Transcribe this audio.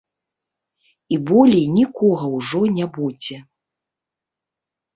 І болей нікога ўжо не будзе.